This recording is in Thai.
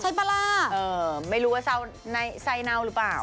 ใช้ปลาร่าเออไม่รู้ว่าเศร้าไนไซนัวหรือเปล่า